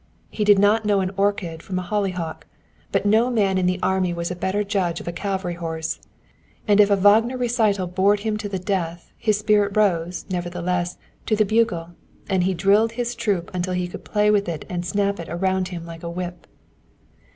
He did not know an orchid from a hollyhock, but no man in the army was a better judge of a cavalry horse, and if a Wagner recital bored him to death his spirit rose, nevertheless, to the bugle, and he drilled his troop until he could play with it and snap it about him like a whip.